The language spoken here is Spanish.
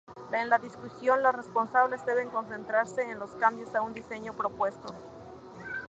En la discusión los responsables deben concentrarse en los cambios a un diseño propuestos.